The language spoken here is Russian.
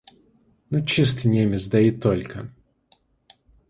Ну чистый немец, да и только!